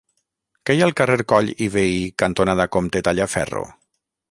Què hi ha al carrer Coll i Vehí cantonada Comte Tallaferro?